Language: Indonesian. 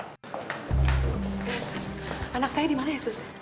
eh sus anak saya dimana ya sus